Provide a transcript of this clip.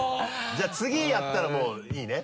じゃあ次やったらもういいね？